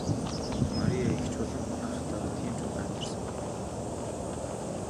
Мария эгч болон хүргэн ахтайгаа тийм ч удаан амьдарсангүй.